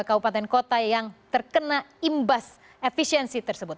kabupaten kota yang terkena imbas efisiensi tersebut